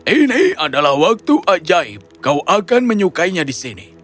ini adalah waktu ajaib kau akan menyukainya di sini